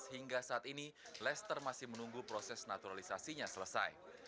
hingga saat ini lester masih menunggu proses naturalisasinya selesai